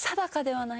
はい。